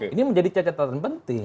ini menjadi cacatan penting